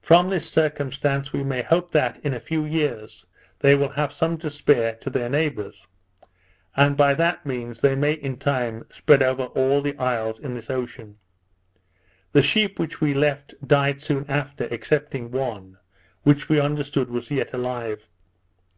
From this circumstance we may hope that, in a few years, they will have some to spare to their neighbours; and by that means they may in time spread over all the isles in this ocean. The sheep which we left died soon after, excepting one, which we understood was yet alive.